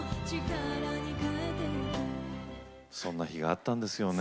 そんな日があったんですよね。